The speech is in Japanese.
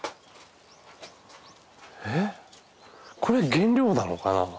これ原料なのかな？